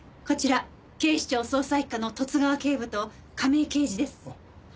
こちら警視庁捜査一課の十津川警部と亀井刑事です。